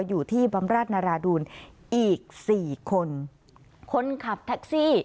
อยู่ที่บำราชนราดูนอีกสี่คนคนขับทักซี่